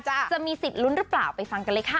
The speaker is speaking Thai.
จะมีสิทธิ์ลุ้นหรือเปล่าไปฟังกันเลยค่ะ